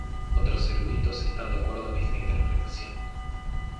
Otro eruditos están de acuerdo en esta interpretación.